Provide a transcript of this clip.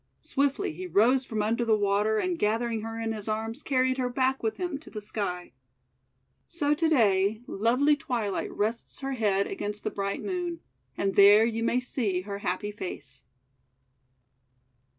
Swiftly he rose from under the water, and, gathering her in his arms, carried her back with him to the Sky. So to day lovely Twilight rests her head against the bright Moon, and there you may see her happy face.